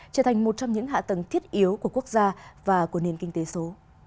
trở thành một trong những hạ tầng thiết yếu của quốc gia và của nền kinh tế số